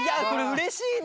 うれしい！